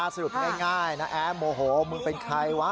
สรุปง่ายนะแอ๊โมโหมึงเป็นใครวะ